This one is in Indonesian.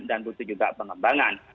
dan butuh juga pengembangan